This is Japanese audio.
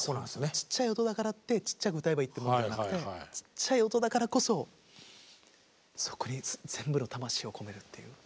ちっちゃい音だからってちっちゃく歌えばいいってもんじゃなくてちっちゃい音だからこそそこに全部の魂を込めるっていう。